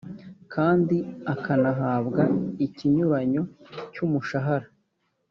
kandi akanahabwa ikinyuranyo cy umushahara